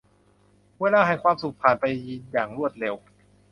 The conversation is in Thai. เวลาแห่งความสุขผ่านไปอย่างรวดเร็ว